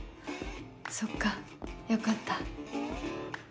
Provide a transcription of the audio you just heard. そっかよかった。